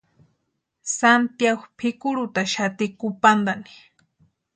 Santiagu pʼikurhutaxati kupantani.